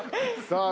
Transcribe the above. さあ